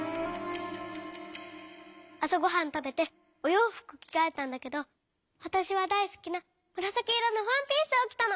あさごはんたべておようふくきがえたんだけどわたしはだいすきなむらさきいろのワンピースをきたの。